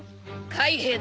海兵だ。